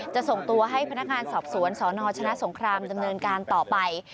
จะส่งตัวให้พนักงานสอบสวนสนชนะสงครามดำเนินการต่อไป